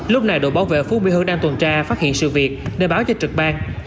lúc này đội bảo vệ phú mỹ hương đang tuần tra phát hiện sự việc nên báo cho trực ban